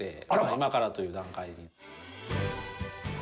今からという段階ですね。